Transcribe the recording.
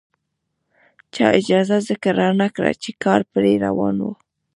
چا اجازه ځکه رانکړه چې کار پرې روان وو.